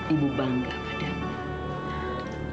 ibu bangga pada kamu